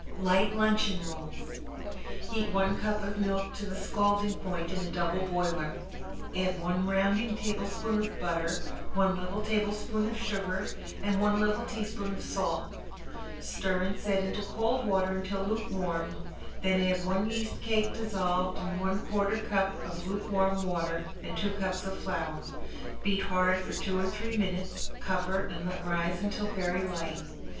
~LIGHT LUNCHEON ROLLS~ Heat one cup of milk to the scalding point in a double boiler, add one rounding tablespoon of butter, one level tablespoon of sugar, and one level teaspoon of salt. Stir and set into cold water until lukewarm, then add one yeast cake dissolved in one quarter cup of lukewarm water, and two cups of flour. Beat hard for two or three minutes, cover, and let rise until very light.